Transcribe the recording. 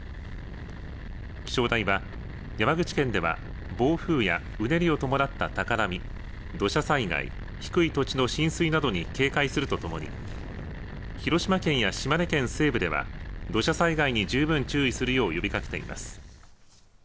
気象台は山口県では暴風や、うねりを伴った高波土砂災害、低い土地の浸水などに警戒するとともに広島県や島根県西部では土砂災害に十分注意するよう呼びかけています。